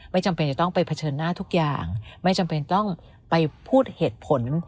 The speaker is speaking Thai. จำเป็นจะต้องไปเผชิญหน้าทุกอย่างไม่จำเป็นต้องไปพูดเหตุผล